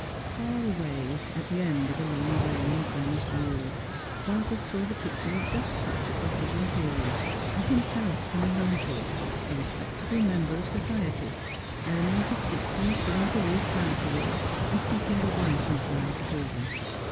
Far away, at the end of a long lane of vanished years, Vargas saw the picture of just such a cottage interior, and himself coming home to it, a respectable member of society, earning his sixteen shillings a week manfully, and keeping a wife and five children.